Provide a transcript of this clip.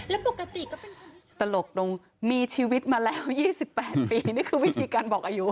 และปกติก็เป็นคนที่ตลกลงมีชีวิตมาแล้วยี่สิบแปดปีนี่คือวิธีการบอกอายุ